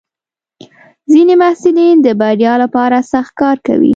ځینې محصلین د بریا لپاره سخت کار کوي.